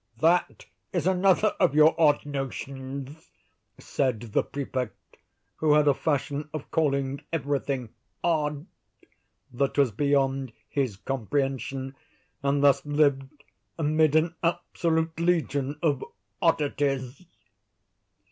"That is another of your odd notions," said the Prefect, who had a fashion of calling every thing "odd" that was beyond his comprehension, and thus lived amid an absolute legion of "oddities."